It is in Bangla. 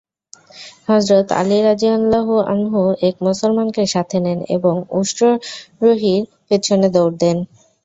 হযরত আলী রাযিয়াল্লাহু আনহু এক মুসলমানকে সাথে নেন এবং উষ্ট্ররোহীর পেছনে দৌড় দেন।